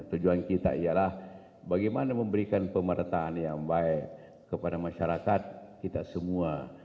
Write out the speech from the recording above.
tujuan kita ialah bagaimana memberikan pemerataan yang baik kepada masyarakat kita semua